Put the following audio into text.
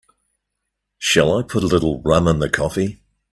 Shall I put a little rum in the coffee?